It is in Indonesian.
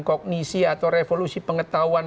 kognisi atau revolusi pengetahuan